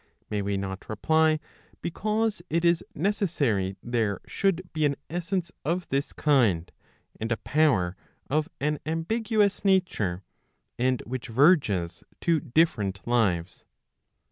May we not reply, because it is necessary there should be an essence of this kind and a power of an ambiguous nature, and which verges to different lives.